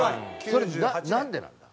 それなんでなんだ？